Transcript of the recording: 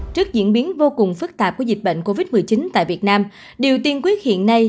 trước diễn biến vô cùng phức tạp của dịch bệnh covid một mươi chín tại việt nam điều tiên quyết hiện nay